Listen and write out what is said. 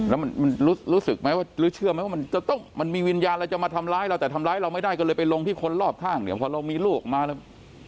แล้วมันรู้สึกไหมว่าหรือเชื่อไหมว่ามันจะต้องมันมีวิญญาณอะไรจะมาทำร้ายเราแต่ทำร้ายเราไม่ได้ก็เลยไปลงที่คนรอบข้างเดี๋ยวพอเรามีลูกมาแล้ว